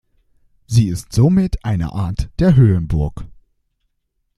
Sie ist somit eine Art der Höhenburg.